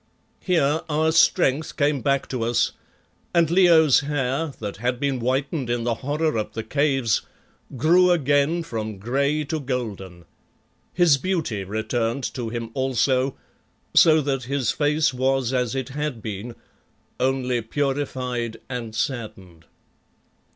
Here our strength came back to us, and Leo's hair, that had been whitened in the horror of the Caves, grew again from grey to golden. His beauty returned to him also, so that his face was as it had been, only purified and saddened.